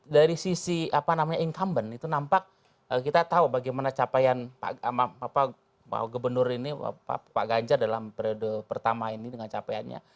dari sisi incumbent itu nampak kita tahu bagaimana capaian pak gubernur ini pak ganjar dalam periode pertama ini dengan capaiannya